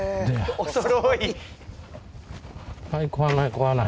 おそろい。